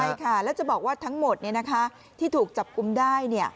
ใช่ค่ะแล้วจะบอกว่าทั้งหมดที่ถูกจับกุมได้